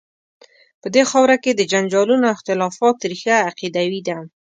په دې خاوره کې د جنجالونو او اختلافات ریښه عقیدوي ده.